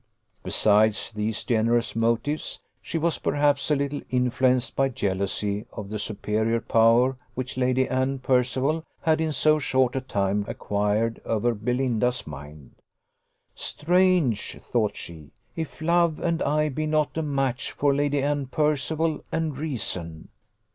Besides these generous motives, she was, perhaps, a little influenced by jealousy of the superior power which Lady Anne Percival had in so short a time acquired over Belinda's mind. "Strange," thought she, "if love and I be not a match for Lady Anne Percival and reason!"